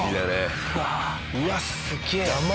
うわっすげえ。